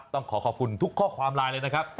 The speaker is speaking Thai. ต้องขอขอบคุณทุกข้อความไลน์เลยนะครับ